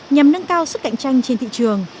nhằm nâng cao sức cạnh tranh trên thị trường